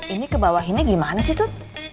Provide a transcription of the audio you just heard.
ini kebawah ini gimana sih cik